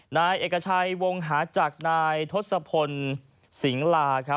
นายเอกชัยวงหาจักรนายทศพลสิงหลาครับ